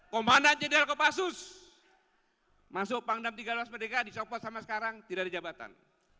komandan jenderal kopassus masuk pangdam tiga belas merdeka dicopot sama sekarang tidak ada jabatan